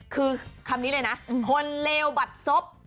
คือคำนี้เลยนะคนเลวบัดศพ